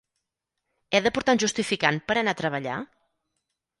He de portar un justificant per anar a treballar?